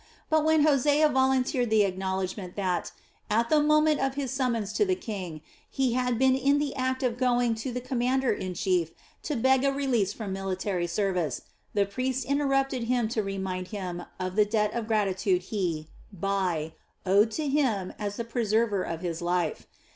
But when Hosea volunteered the acknowledgment that, at the moment of his summons to the king, he had been in the act of going to the commander in chief to beg a release from military service, the priest interrupted him to remind him of the debt of gratitude he, Bai, owed to him as the preserver of his life.